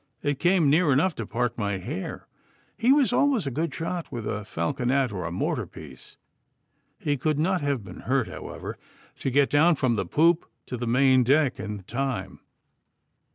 It came near enough to part my hair. He was always a good shot with a falconet or a mortar piece. He could not have been hurt, however, to get down from the poop to the main deck in the time.